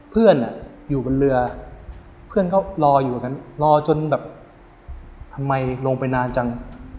เพื่อนอยู่บนเรือเพื่อนก็รออยู่อย่างนั้นรอจนแบบทำไมลงไปนานจัง